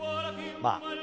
まあ。